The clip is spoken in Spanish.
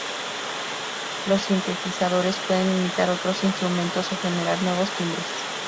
Los sintetizadores pueden imitar otros instrumentos o generar nuevos timbres.